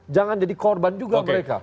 jangan jadi korban juga mereka